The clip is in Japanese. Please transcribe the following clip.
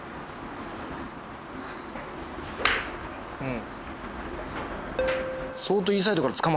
うん。